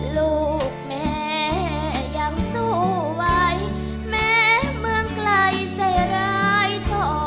ลูกแม่ยังสู้ไว้แม้เมืองไกลใจร้ายต่อ